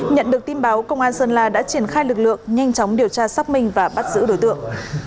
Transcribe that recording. nhận được tin báo công an sơn la đã triển khai lực lượng nhanh chóng điều tra xác minh và bắt giữ đối tượng